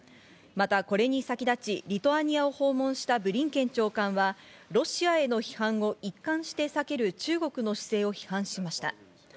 またこれに先立ち、リトアニアを訪問したブリンケン長官は、ロシアへの批判を一貫して避ける中国の姿勢を批判しました。